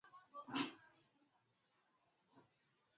moja miaka halafu iendelea kupanda juu ikielekea kabisa